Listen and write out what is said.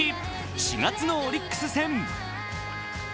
４月のオリックス戦。